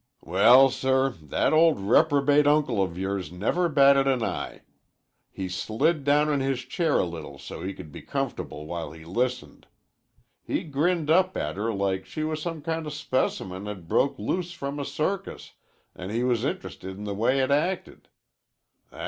"Well, sir, that old reprobate uncle of yours never batted an eye. He slid down in his chair a little so's he could be comfortable while he listened. He grinned up at her like she was some kind of specimen had broke loose from a circus an' he was interested in the way it acted.